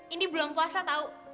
ini bulan puasa tau